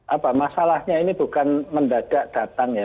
apa masalahnya ini bukan mendadak datang ya